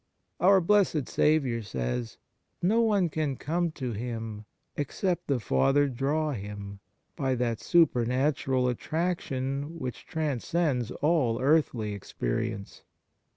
Our Blessed Saviour says, " No one can come to Him except the Father draw him " by that supernatural attraction which trans cends all earthly experience.